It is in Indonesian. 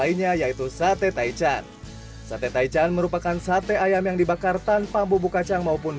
lainnya yaitu sate taichan sate taichan merupakan sate ayam yang dibakar tanpa bubuk kacang maupun